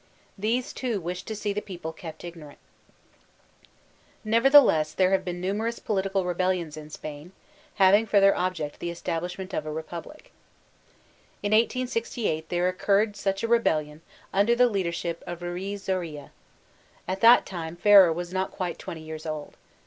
These, too, wish to see the people kept ignorant Nevertheless, there have been numerous political re 3IO VOLTAlRimE I» CtEyRE bellions in Spain, having for their object the establish ment of a republic. In 1868 there occurred such a rebellion, under the leadership of Ruiz Zorilla. At that time, Ferrer was not quite 20 years old.